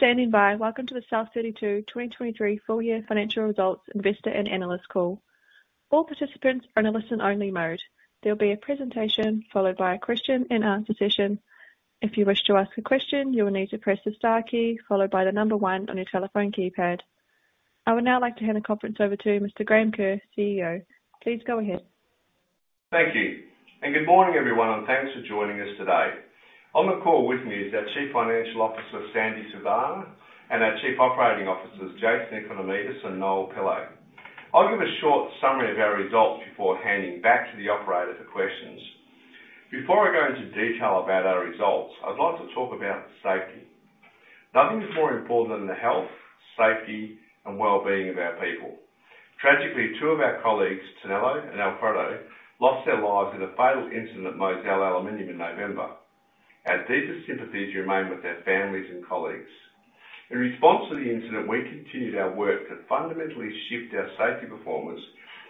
Thanks for standing by. Welcome to the South32 2023 full year financial results investor and analyst call. All participants are in a listen-only mode. There will be a presentation followed by a question-and-answer session. If you wish to ask a question, you will need to press the star key, followed by the number one on your telephone keypad. I would now like to hand the conference over to Mr. Graham Kerr, CEO. Please go ahead. Thank you, and good morning, everyone, and thanks for joining us today. On the call with me is our Chief Financial Officer, Sandy Sibenaler, and our Chief Operating Officers, Jason Economidis and Noel Pillay. I'll give a short summary of our results before handing back to the operator for questions. Before I go into detail about our results, I'd like to talk about safety. Nothing is more important than the health, safety, and well-being of our people. Tragically, two of our colleagues, Tineo and Alfredo, lost their lives in a fatal incident at Mozal Aluminium in November. Our deepest sympathies remain with their families and colleagues. In response to the incident, we continued our work to fundamentally shift our safety performance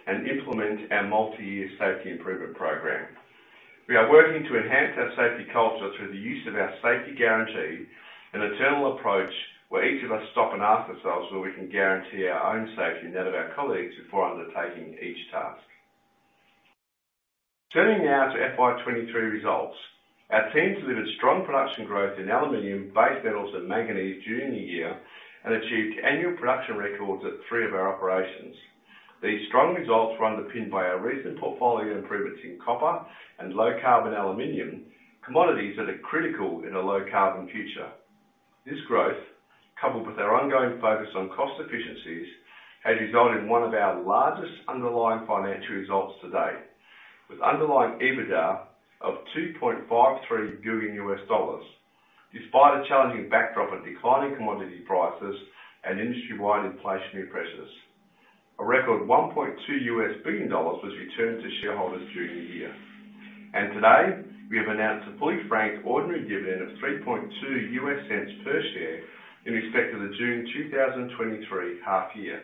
and implement our multi-year safety improvement program. We are working to enhance our safety culture through the use of our safety guarantee, an internal approach where each of us stop and ask ourselves where we can guarantee our own safety and that of our colleagues before undertaking each task. Turning now to FY 2023 results. Our team delivered strong production growth in aluminum, base metals, and manganese during the year, and achieved annual production records at three of our operations. These strong results were underpinned by our recent portfolio improvements in copper and low-carbon aluminum, commodities that are critical in a low-carbon future. This growth, coupled with our ongoing focus on cost efficiencies, has resulted in one of our largest underlying financial results to date, with underlying EBITDA of $2.53 billion, despite a challenging backdrop of declining commodity prices and industry-wide inflationary pressures. A record $1.2 billion was returned to shareholders during the year. Today, we have announced a fully franked ordinary dividend of $0.032 per share in respect of the June 2023 half year.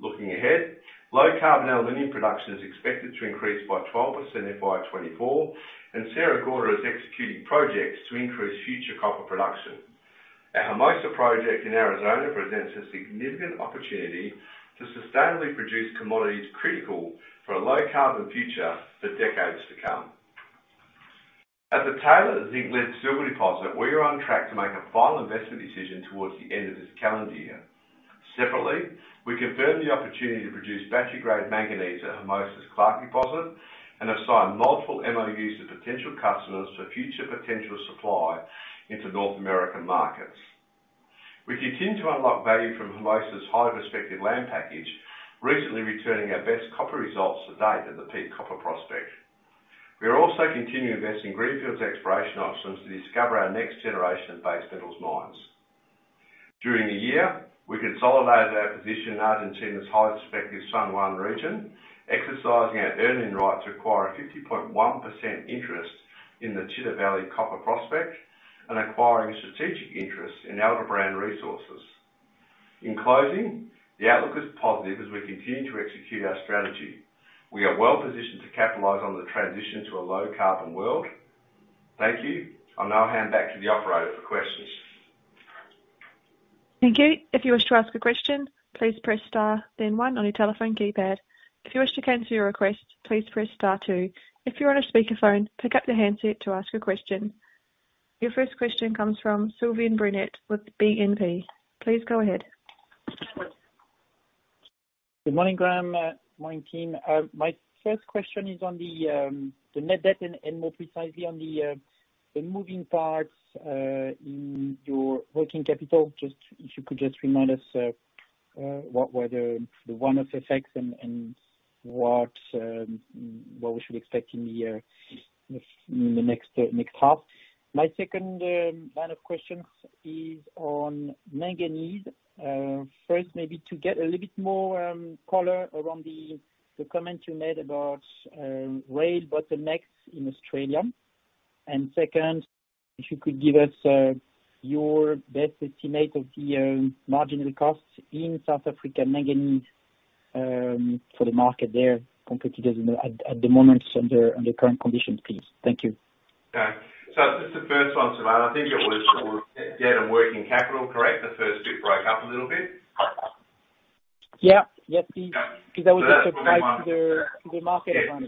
Looking ahead, low-carbon aluminium production is expected to increase by 12% in FY 2024, and Sierra Gorda is executing projects to increase future copper production. Our Hermosa project in Arizona presents a significant opportunity to sustainably produce commodities critical for a low-carbon future for decades to come. At the Taylor zinc-lead-silver deposit, we are on track to make a final investment decision towards the end of this calendar year. Separately, we confirmed the opportunity to produce battery-grade manganese at Hermosa's Clark deposit and have signed multiple MOUs to potential customers for future potential supply into North American markets. We continue to unlock value from Hermosa's high prospective land package, recently returning our best copper results to date at the Peak Copper Prospect. We are also continuing investing in greenfields exploration options to discover our next generation of base metals mines. During the year, we consolidated our position in Argentina's high-prospective San Juan region, exercising our earn-in right to acquire a 50.1% interest in the Chita Valley copper prospect and acquiring a strategic interest in Aldebaran Resources. In closing, the outlook is positive as we continue to execute our strategy. We are well positioned to capitalize on the transition to a low-carbon world. Thank you. I'll now hand back to the operator for questions. Thank you. If you wish to ask a question, please press star, then one on your telephone keypad. If you wish to cancel your request, please press star two. If you're on a speakerphone, pick up your handset to ask a question. Your first question comes from Sylvain Brunet with BNP. Please go ahead. Good morning, Graham. Morning, team. My first question is on the net debt and, more precisely, on the moving parts in your working capital. Just if you could remind us what were the one-off effects and what we should expect in the next half. My second line of questions is on manganese. First, maybe to get a little bit more color around the comment you made about rail bottlenecks in Australia. And second, if you could give us your best estimate of the marginal costs in South Africa manganese for the market there, competitors at the moment, under current conditions, please. Thank you. Okay. So just the first one, Sylvain, I think it was debt and working capital, correct? The first bit broke up a little bit. Yeah. Yep. Okay. Because that was just the price to the market. Yeah.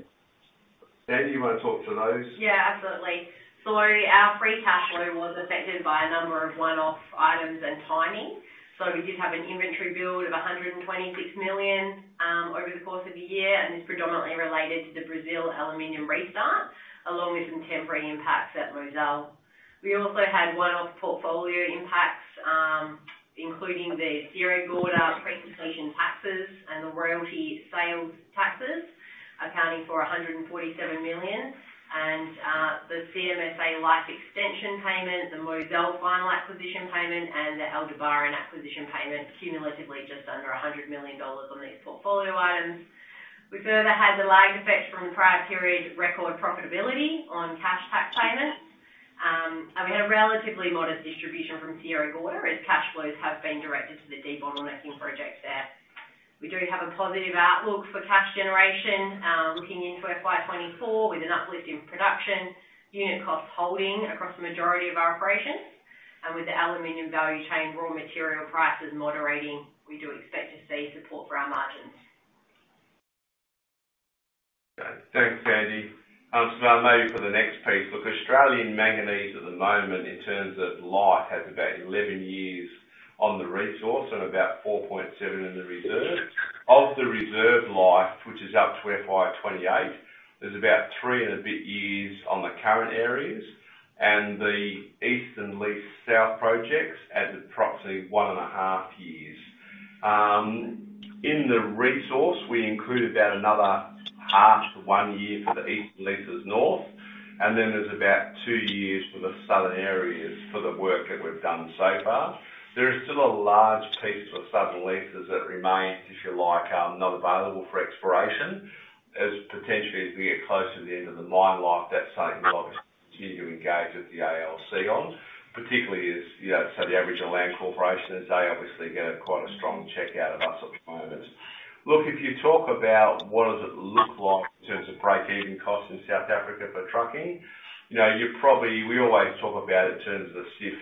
Sandy, you want to talk to those? Yeah, absolutely. So our free cash flow was affected by a number of one-off items and timing. So we did have an inventory build of $126 million over the course of the year, and it's predominantly related to the Brazil Aluminium restart, along with some temporary impacts at Mozal. We also had one-off portfolio impacts, including the Sierra Gorda pre-completion taxes and the royalty sales taxes, accounting for $147 million. And, the CMSA life extension payment, the Mozal final acquisition payment, and the Aldebaran acquisition payment, cumulatively just under $100 million on these portfolio items. We further had the lagged effect from prior period record profitability on cash tax payments. And we had a relatively modest distribution from Sierra Gorda, as cash flows have been directed to the debottlenecking project there... We do have a positive outlook for cash generation, looking into FY 2024, with an uplift in production, unit costs holding across the majority of our operations, and with the aluminum value chain, raw material prices moderating, we do expect to see support for our margins. Thanks, Sandy. So maybe for the next piece, look, Australia Manganese at the moment, in terms of life, has about 11 years on the resource and about 4.7 in the reserve. Of the reserve life, which is out to FY 2028, there's about three and a bit years on the current areas, and the Eastern Leases South projects adds approximately one and a half years. In the resource, we include about another half to one year for the Eastern Leases North, and then there's about 2 years for the southern areas for the work that we've done so far. There is still a large piece of southern leases that remain, if you like, not available for exploration. As potentially, as we get closer to the end of the mine life, that's something we'll continue to engage with the ALC on, particularly as, you know, so the Aboriginal Land Corporation, as they obviously get quite a strong check out of us at the moment. Look, if you talk about what does it look like in terms of break-even costs in South Africa for trucking, you know, you're probably—we always talk about in terms of the CIF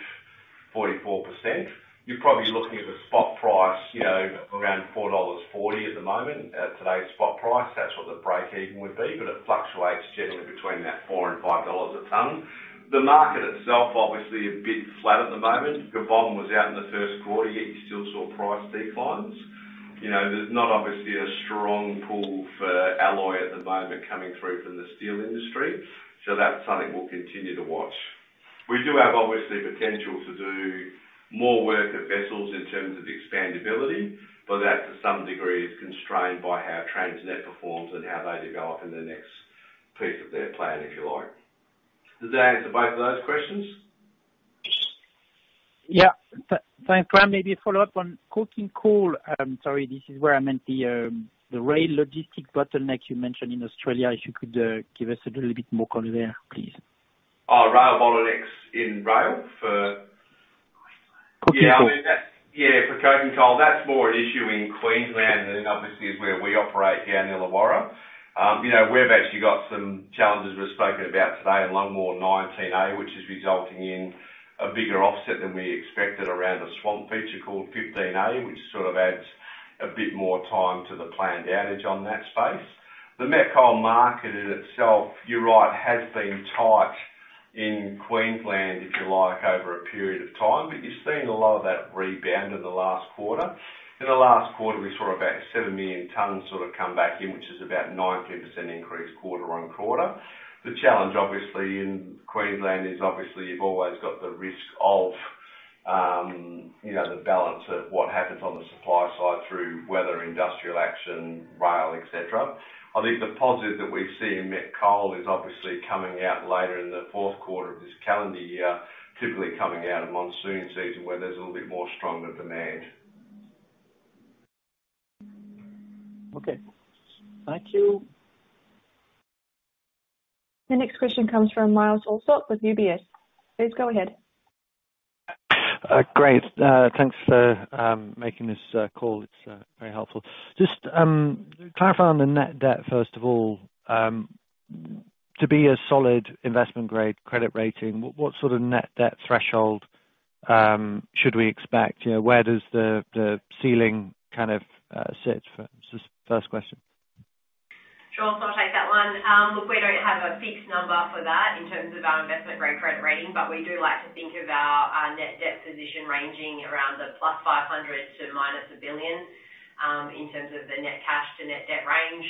44%, you're probably looking at the spot price, you know, around $4.40 at the moment. At today's spot price, that's what the break-even would be, but it fluctuates generally between that $4-$5 a ton. The market itself, obviously a bit flat at the moment. Gabon was out in the first quarter, yet you still saw price declines. You know, there's not obviously a strong pull for alloy at the moment coming through from the steel industry, so that's something we'll continue to watch. We do have, obviously, potential to do more work at Wessels in terms of expandability, but that, to some degree, is constrained by how Transnet performs and how they develop in the next piece of their plan, if you like. Does that answer both of those questions? Yeah. Thanks, Graham. Maybe a follow-up on coking coal. Sorry, this is where I meant the rail logistic bottleneck you mentioned in Australia, if you could give us a little bit more color there, please. Our rail bottlenecks in rail for- Coking coal. Yeah, I mean, that's yeah, for coking coal, that's more an issue in Queensland than obviously is where we operate down Illawarra. You know, we've actually got some challenges we've spoken about today in Longwall 19A, which is resulting in a bigger offset than we expected around the swamp feature called 15A, which sort of adds a bit more time to the planned outage on that space. The met coal market in itself, you're right, has been tight in Queensland, if you like, over a period of time, but you've seen a lot of that rebound in the last quarter. In the last quarter, we saw about 7 million tons sort of come back in, which is about 19% increase quarter-on-quarter. The challenge, obviously, in Queensland is obviously you've always got the risk of, you know, the balance of what happens on the supply side through weather, industrial action, rail, et cetera. I think the positive that we see in met coal is obviously coming out later in the fourth quarter of this calendar year, typically coming out of monsoon season, where there's a little bit more stronger demand. Okay. Thank you. The next question comes from Myles Allsop with UBS. Please go ahead. Great. Thanks for making this call. It's very helpful. Just clarify on the net debt, first of all, to be a solid investment-grade credit rating, what sort of net debt threshold should we expect? You know, where does the ceiling kind of sit for... This is the first question. Sure, so I'll take that one. Look, we don't have a fixed number for that in terms of our investment-grade credit rating, but we do like to think about our net debt position ranging around the +$500 million to -$1 billion. In terms of the net cash to net debt range,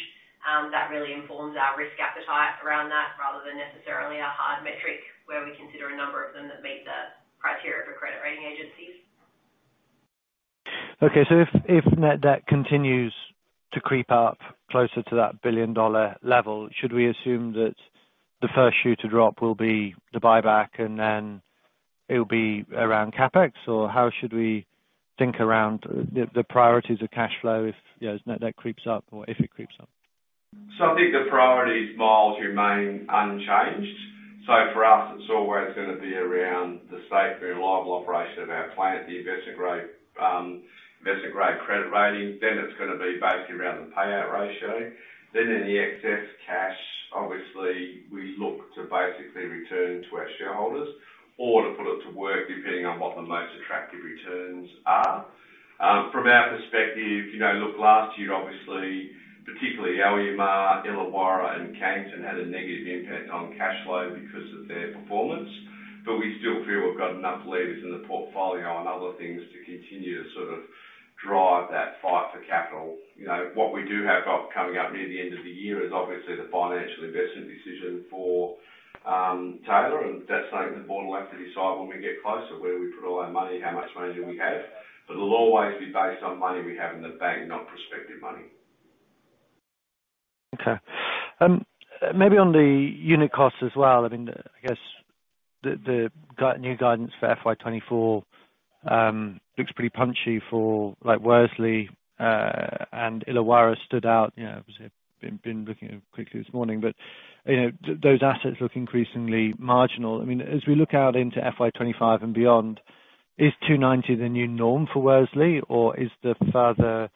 that really informs our risk appetite around that, rather than necessarily a hard metric, where we consider a number of them that meet the criteria for credit rating agencies. Okay, so if net debt continues to creep up closer to that $1 billion level, should we assume that the first shoe to drop will be the buyback, and then it will be around CapEx? Or how should we think around the priorities of cash flow if, you know, net debt creeps up or if it creeps up? So I think the priorities, Miles, remain unchanged. So for us, it's always gonna be around the safe and reliable operation of our plant, the investment-grade, investment-grade credit rating. Then it's gonna be basically around the payout ratio. Then any excess cash, obviously, we look to basically return to our shareholders, or to put it to work, depending on what the most attractive returns are. From our perspective, you know, look, last year, obviously, particularly Alumar, Illawarra and Cannington had a negative impact on cash flow because of their performance, but we still feel we've got enough leaders in the portfolio and other things to continue to sort of drive that fight for capital. You know, what we do have got coming up near the end of the year is obviously the financial investment decision for Taylor, and that's something the board will have to decide when we get closer, where we put all our money, how much money we have. But it'll always be based on money we have in the bank, not prospective money. Okay. Maybe on the unit costs as well, I mean, I guess the new guidance for FY 2024 looks pretty punchy for Worsley and Illawarra stood out. You know, obviously, I've been looking at it quickly this morning, but, you know, those assets look increasingly marginal. I mean, as we look out into FY 2025 and beyond, is $290 the new norm for Worsley, or is the further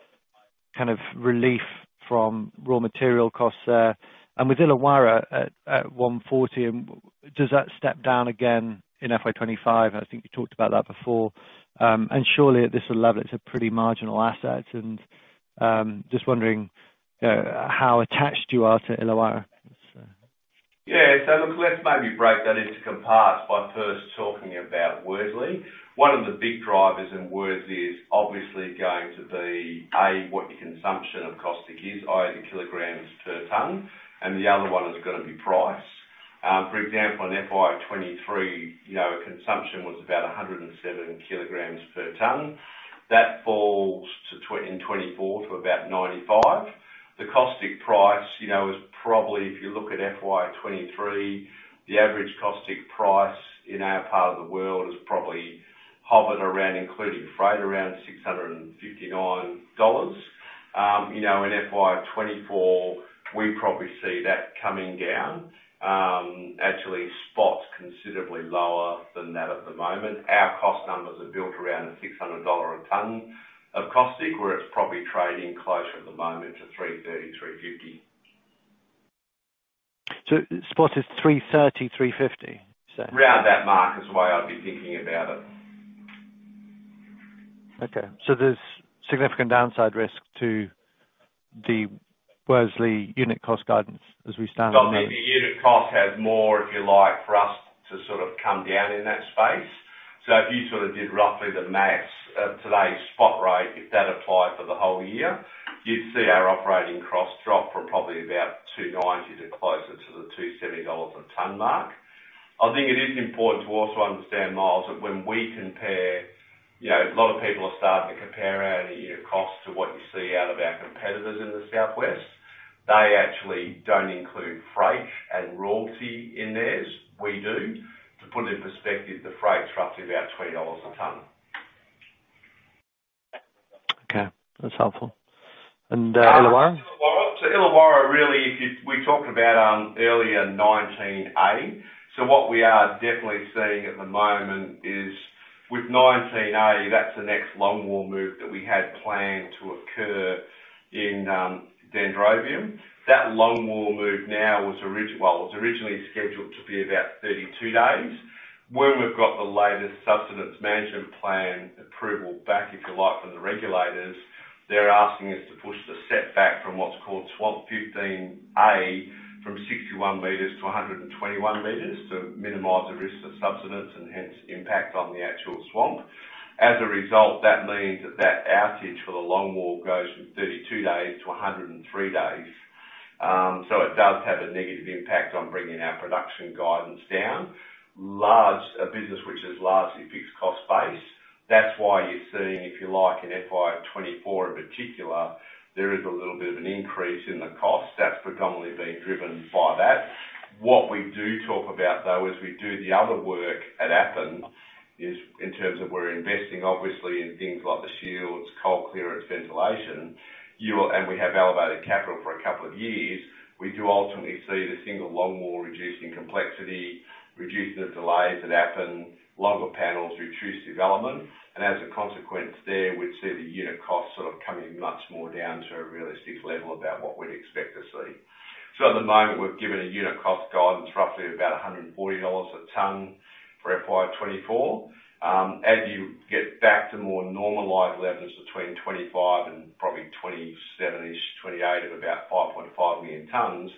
kind of relief from raw material costs there. And with Illawarra at $140, and does that step down again in FY 2025? I think you talked about that before. And surely at this level, it's a pretty marginal asset, and just wondering how attached you are to Illawarra? Yeah. So look, let's maybe break that into components by first talking about Worsley. One of the big drivers in Worsley is obviously going to be, A, what your consumption of caustic is, i.e., the kilograms per ton, and the other one is gonna be price. For example, in FY 2023, you know, consumption was about 107 kilograms per ton. That falls to in 2024 to about 95. The caustic price, you know, is probably, if you look at FY 2023, the average caustic price in our part of the world is probably hovered around, including freight, around $659. You know, in FY 2024, we probably see that coming down. Actually, spot's considerably lower than that at the moment. Our cost numbers are built around $600 a ton of caustic, where it's probably trading closer at the moment to $330-$350. Spot is $330-$350? Around that mark is the way I'd be thinking about it. Okay. So there's significant downside risk to the Worsley unit cost guidance as we stand? I mean, the unit cost has more, if you like, for us to sort of come down in that space. So if you sort of did roughly the max of today's spot rate, if that applied for the whole year, you'd see our operating costs drop from probably about $290 to closer to the $270 a ton mark. I think it is important to also understand, Miles, that when we compare. You know, a lot of people are starting to compare our unit cost to what you see out of our competitors in the Southwest. They actually don't include freight and royalty in theirs. We do. To put it in perspective, the freight is roughly about $20 a ton. Okay, that's helpful. And Illawarra? Illawarra. So Illawarra, really, if you-- we talked about earlier 19A. So what we are definitely seeing at the moment is with 19A, that's the next longwall move that we had planned to occur in Dendrobium. That longwall move now was origi-- well, was originally scheduled to be about 32 days. When we've got the latest Subsidence Management Plan approval back, if you like, from the regulators, they're asking us to push the setback from what's called swamp 15A, from 61 meters to 121 meters, to minimize the risk of subsidence and hence impact on the actual swamp. As a result, that means that that outage for the longwall goes from 32 days to 103 days. So it does have a negative impact on bringing our production guidance down. Large business, which is largely fixed cost base. That's why you're seeing, if you like, in FY 2024 in particular, there is a little bit of an increase in the cost. That's predominantly being driven by that. What we do talk about, though, is we do the other work at Appin, is in terms of we're investing obviously in things like the shields, coal clearance, ventilation. And we have elevated capital for a couple of years. We do ultimately see the single longwall reducing complexity, reducing the delays that happen, longer panels, reduced development, and as a consequence there, we'd see the unit cost sort of coming much more down to a realistic level about what we'd expect to see. So at the moment, we've given a unit cost guidance, roughly about $140 a ton for FY 2024. As you get back to more normalized levels between 25 and probably 27-ish, 28 of about 5.5 million tons,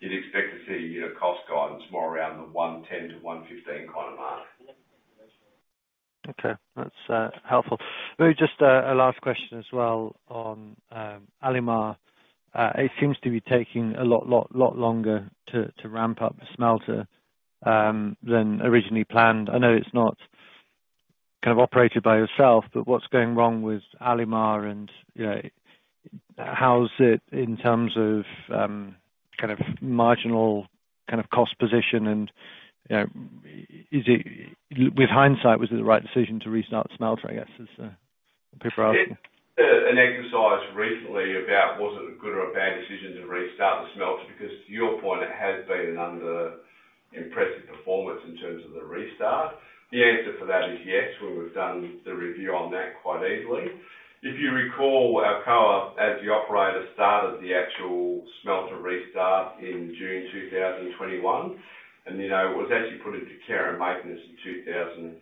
you'd expect to see unit cost guidance more around the 110-115 kind of mark. Okay, that's helpful. Maybe just a last question as well on Alumar. It seems to be taking a lot, lot, lot longer to ramp up the smelter than originally planned. I know it's not kind of operated by yourself, but what's going wrong with Alumar and, you know, how's it in terms of kind of marginal, kind of cost, position, and, you know, is it... With hindsight, was it the right decision to restart the smelter, I guess, is the proper question? An exercise recently about was it a good or a bad decision to restart the smelter? Because to your point, it has been an under impressive performance in terms of the restart. The answer for that is yes, when we've done the review on that quite easily. If you recall, Alcoa, as the operator, started the actual smelter restart in June 2021, and, you know, it was actually put into care and maintenance in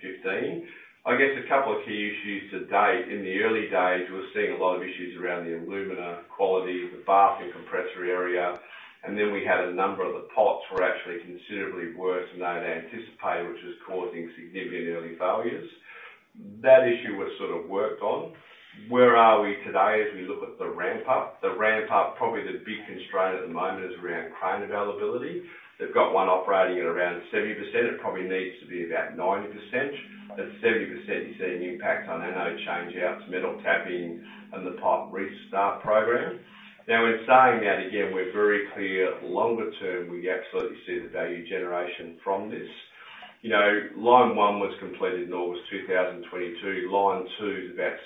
2015. I guess a couple of key issues to date, in the early days, we were seeing a lot of issues around the alumina quality, the bath and compressor, and then we had a number of the pots were actually considerably worse than they had anticipated, which was causing significant early failures. That issue was sort of worked on. Where are we today as we look at the ramp up? The ramp up, probably the big constraint at the moment is around crane availability. They've got one operating at around 70%. It probably needs to be about 90%. At 70%, you see an impact on anode changeouts, metal tapping, and the pot restart program. Now, in saying that, again, we're very clear, longer term, we absolutely see the value generation from this. You know, line one was completed in August 2022. Line two is about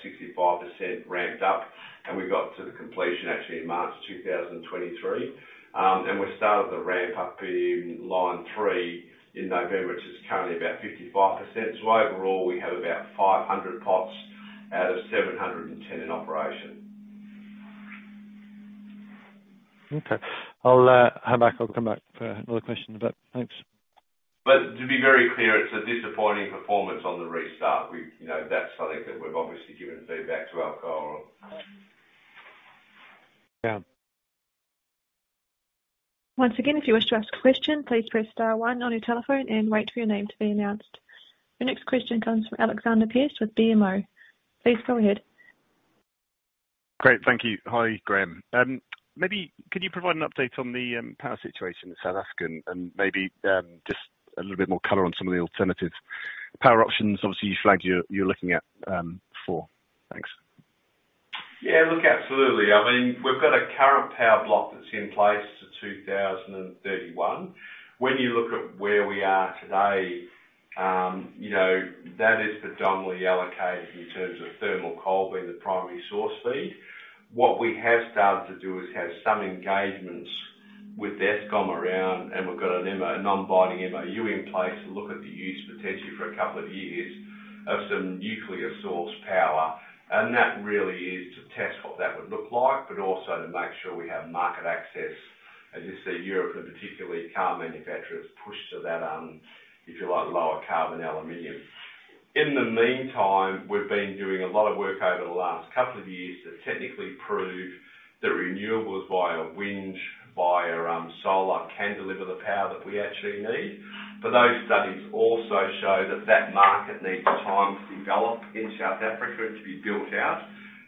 65% ramped up, and we got to the completion actually in March 2023. And we started the ramp up in line three in November, which is currently about 55%. So overall, we have about 500 pots out of 710 in operation.... Okay. I'll hang back. I'll come back for another question, but thanks. To be very clear, it's a disappointing performance on the restart. We, you know, that's something that we've obviously given feedback to Alcoa on. Yeah. Once again, if you wish to ask a question, please press star one on your telephone and wait for your name to be announced. The next question comes from Alexander Pearce with BMO. Please go ahead. Great. Thank you. Hi, Graham. Maybe could you provide an update on the power situation in South Africa and maybe just a little bit more color on some of the alternative power options? Obviously, you flagged you're looking at before. Thanks. Yeah, look, absolutely. I mean, we've got a current power block that's in place to 2031. When you look at where we are today, you know, that is predominantly allocated in terms of thermal coal being the primary source feed. What we have started to do is have some engagements with Eskom around, and we've got an MOU, a non-binding MOU in place to look at the use, potentially for a couple of years, of some nuclear source power. And that really is to test what that would look like, but also to make sure we have market access. As you see Europe, and particularly car manufacturers, push to that, if you like, lower carbon aluminum. In the meantime, we've been doing a lot of work over the last couple of years to technically prove that renewables via wind, via solar, can deliver the power that we actually need. But those studies also show that that market needs time to develop in South Africa and to be built out.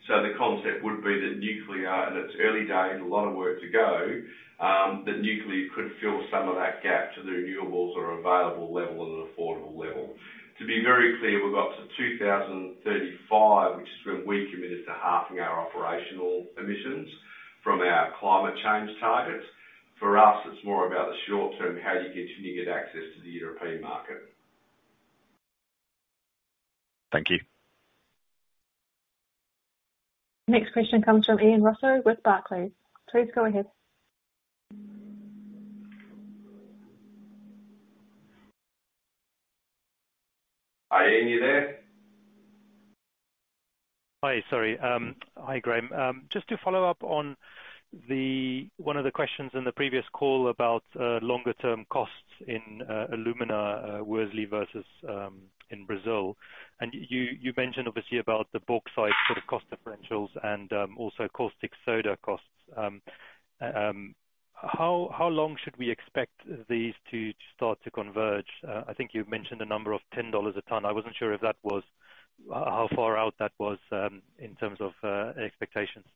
So the concept would be that nuclear, in its early days, a lot of work to go, that nuclear could fill some of that gap to the renewables or available level at an affordable level. To be very clear, we've got to 2035, which is when we're committed to halving our operational emissions from our climate change targets. For us, it's more about the short term, how you get significant access to the European market. Thank you. Next question comes from Ian Rossouw with Barclays. Please go ahead. Hi, Ian, you there? Hi, sorry. Hi, Graham. Just to follow up on one of the questions in the previous call about longer term costs in alumina, Worsley versus in Brazil. You, you mentioned obviously about the bauxite sort of cost differentials and also caustic soda costs. How long should we expect these to start to converge? I think you've mentioned the number of $10 a ton. I wasn't sure if that was how far out that was in terms of expectations. Yeah,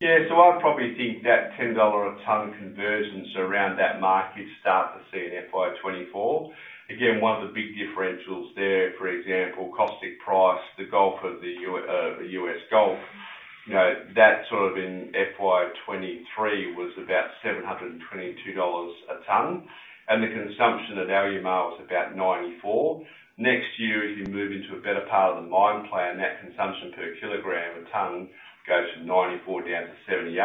so I'd probably think that $10 a ton convergence around that mark, you'd start to see in FY 2024. Again, one of the big differentials there, for example, caustic price, the US Gulf, you know, that sort of in FY 2023 was about $722 a ton, and the consumption at Alumar was about 94. Next year, as you move into a better part of the mine plan, that consumption per kilogram, a ton, goes from 94 down to 78.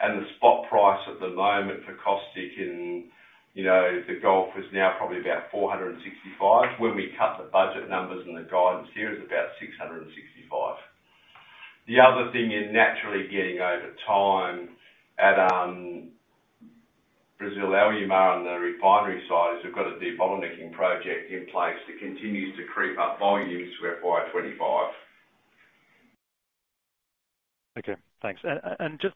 And the spot price at the moment for caustic in, you know, the Gulf is now probably about $465. When we cut the budget numbers and the guidance here, is about $665. The other thing you're naturally getting over time at Brazil Alumar, on the refinery side, is we've got a debottlenecking project in place that continues to creep up volumes to FY 25. Okay, thanks. And just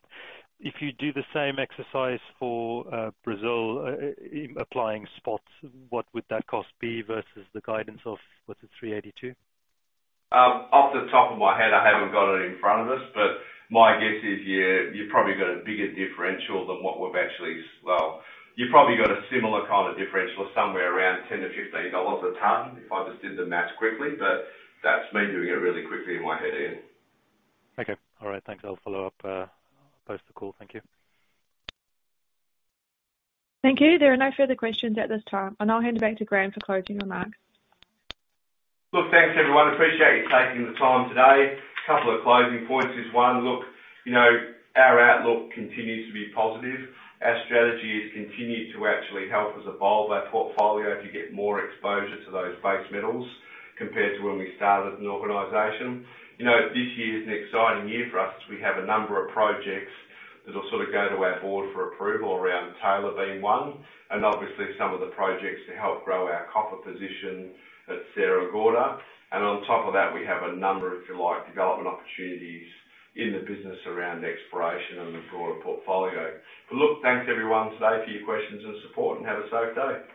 if you do the same exercise for Brazil, in applying spots, what would that cost be versus the guidance of, was it $382? Off the top of my head, I haven't got it in front of us, but my guess is you, you've probably got a bigger differential than what we've actually... Well, you've probably got a similar kind of differential, somewhere around $10-$15 a ton, if I just did the math quickly. But that's me doing it really quickly in my head, Ian. Okay. All right, thanks. I'll follow up post the call. Thank you. Thank you. There are no further questions at this time. I'll now hand it back to Graham for closing remarks. Look, thanks, everyone. Appreciate you taking the time today. A couple of closing points is, one, look, you know, our outlook continues to be positive. Our strategy is continued to actually help us evolve our portfolio to get more exposure to those base metals, compared to when we started the organization. You know, this year is an exciting year for us. We have a number of projects that will sort of go to our board for approval, around Taylor being one, and obviously some of the projects to help grow our copper position at Sierra Gorda. And on top of that, we have a number, if you like, development opportunities in the business around exploration and the broader portfolio. But look, thanks everyone today for your questions and support, and have a safe day.